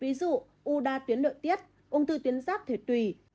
ví dụ u đa tuyến nội tiết ung thư tuyến giáp thể tùy